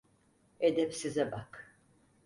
Edepsize bak…